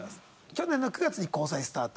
去年の９月に交際スタート。